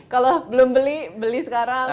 kalau belum beli beli sekarang